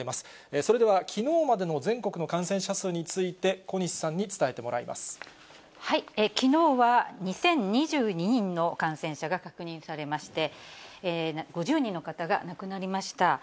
それでは、きのうまでの全国の感染者数について、きのうは２０２２人の感染者が確認されまして、５０人の方が亡くなりました。